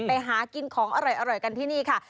ไปหากินของอร่อยกันที่นี่ค่ะ